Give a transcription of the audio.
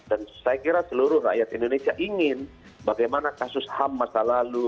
dan saya kira seluruh rakyat indonesia ingin bagaimana kasus ham masa lalu